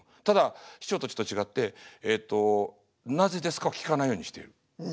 ただ師匠とちょっと違ってえっと「なぜですか？」を聞かないようにしてる。